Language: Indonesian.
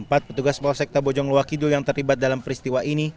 empat petugas polsekta bojong luwakidul yang terlibat dalam peristiwa ini